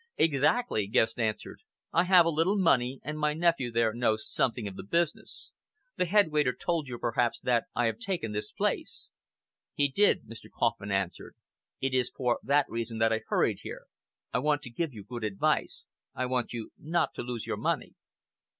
"Exactly," Guest answered. "I have a little money, and my nephew there knows something of the business. The head waiter told you, perhaps, that I have taken this place." "He did," Mr. Kauffman answered. "It is for that reason that I hurried here. I want to give you good advice. I want you not to lose your money."